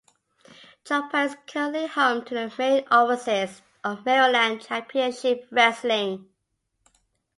Joppa is currently home to the main offices of Maryland Championship Wrestling.